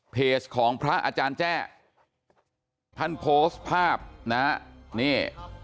เพจของพระอาจารย์แจ้ท่านโพสต์ภาพนะฮะนี่